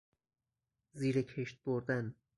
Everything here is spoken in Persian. زیر کشت بردن